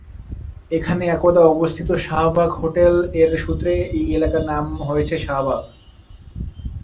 এখানে একদা অবস্থিত শাহবাগ হোটেল এর সূত্রে এই এলাকার নাম হয়েছে শাহবাগ।